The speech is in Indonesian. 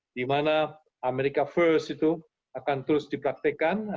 di mana amerika first itu akan terus dipraktekkan